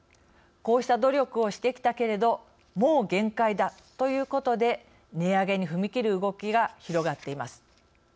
こうした努力をしてきたけれどもう限界だということで値上げに踏み切る動きが広がっています。